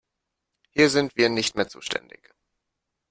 Hier sind wir nicht mehr zuständig.